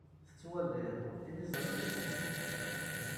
Tettwaliḍ tiliẓri yal tameddit.